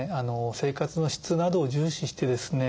生活の質などを重視してですね